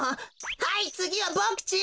はいつぎはボクちん！